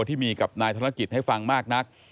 ที่มีกับนายธนกิจให้ฟังมากนัก